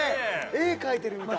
絵描いてるみたい。